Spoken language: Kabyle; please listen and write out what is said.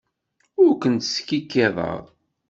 Ur kent-skikkiḍeɣ.